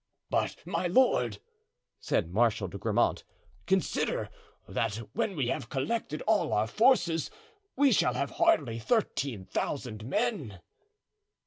"But, my lord," said Marshal de Grammont, "consider that when we have collected all our forces we shall have hardly thirteen thousand men."